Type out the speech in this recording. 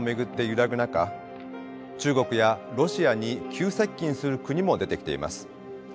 中国やロシアに急接近する国も出てきています。